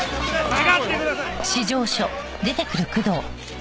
下がってください！